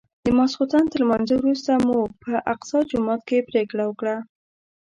د ماسختن تر لمانځه وروسته مو په اقصی جومات کې پرېکړه وکړه.